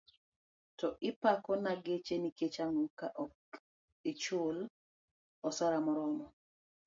To ipako na geche nikech ango ka ok chuli osara moromo.